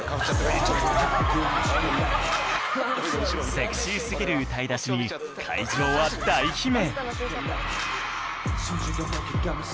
セクシーすぎる歌い出しに会場は大悲鳴